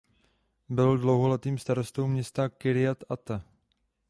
Byl dlouholetým starostou města Kirjat Ata.